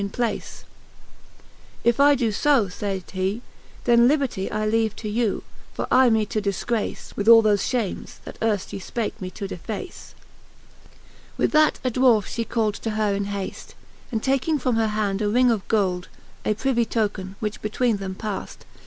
in place. If I doe fb, iayd he, then liberty I leave to you, for aye me to difgrace 'With all thofe fhames, thaterft ye fpake me to deface. XXIX. 'With that a Dwarfe Ihe cald to herin haTl, And taking from her hand a ring of gould, A privy token, which betvveene them pad.